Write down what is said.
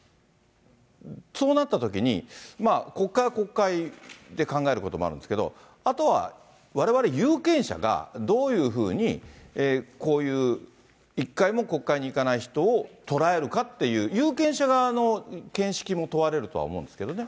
そうなったときに、国会は国会で考えることもあるんですけど、あとはわれわれ有権者が、どういうふうに、こういう、一回も国会に行かない人を捉えるかっていう、有権者側の見識も問われるとは思うんですけどね。